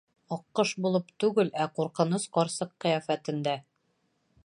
Аҡҡош булып түгел, ә ҡурҡыныс ҡарсыҡ ҡиәфәтендә.